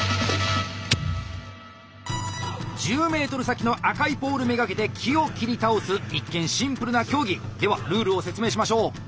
１０ｍ先の赤いポール目がけて木を切り倒す一見シンプルな競技！ではルールを説明しましょう！